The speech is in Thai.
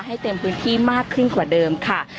ให้เต็มพื้นที่มากขึ้นกว่าเดิมค่ะ